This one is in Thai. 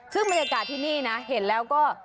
ซึ่งบรรยากาศที่นี่นะเห็นแล้วก็